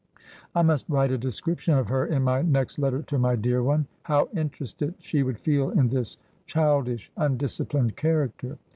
I must write a description of her in my next letter to my dear one. How interested she would feel in this childish, undisciplined character.'